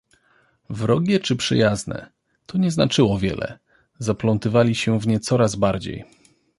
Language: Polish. Wrogie czy przyjazne — to nie znaczyło wiele: zaplątywali się w nie coraz bardziej.